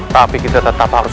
tapi kita tetap harus